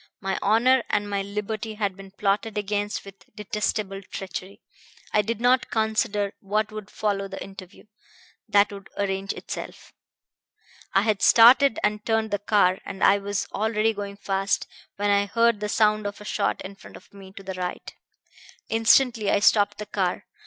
My honor and my liberty had been plotted against with detestable treachery. I did not consider what would follow the interview. That would arrange itself. "I had started and turned the car I was already going fast when I heard the sound of a shot in front of me, to the right. "Instantly I stopped the car.